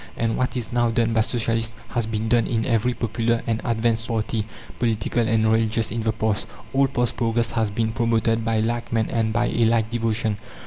And what is now done by Socialists has been done in every popular and advanced party, political and religious, in the past. All past progress has been promoted by like men and by a like devotion.